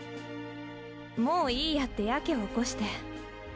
もういいやってヤケを起こして。